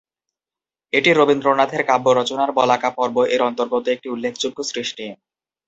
এটি রবীন্দ্রনাথের কাব্য রচনার "বলাকা পর্ব"-এর অন্তর্গত একটি উল্লেখযোগ্য সৃষ্টি।